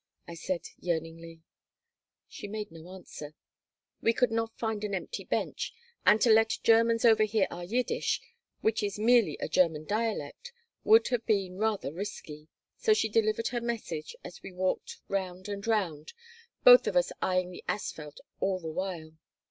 I said, yearningly She made no answer We could not find an empty bench, and to let Germans overhear our Yiddish, which is merely a German dialect, would have been rather risky. So she delivered her message as we walked round and round, both of us eying the asphalt all the while.